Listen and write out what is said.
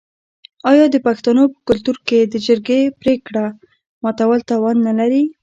آیا د پښتنو په کلتور کې د جرګې پریکړه ماتول تاوان نلري؟